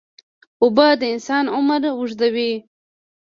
اوبه د انسان عمر اوږدوي.